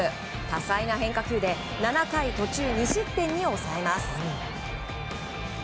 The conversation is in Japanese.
多彩な変化球で７回途中２失点で抑えます。